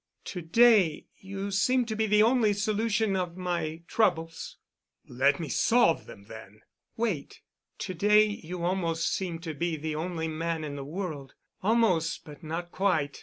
To day you seem to be the only solution of my troubles——" "Let me solve them then." "Wait. To day you almost seem to be the only man in the world—almost, but not quite.